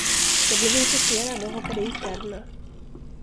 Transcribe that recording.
Jag blev intresserad och hoppade i kläderna.